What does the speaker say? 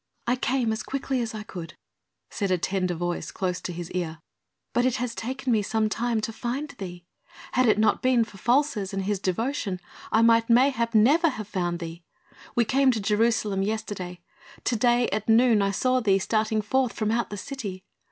"I came as quickly as I could," said a tender voice close to his ear. "But it has taken me some time to find thee. Had it not been for Folces and his devotion I might mayhap never have found thee. We came to Jerusalem yesterday. To day at noon I saw thee starting forth from out the city.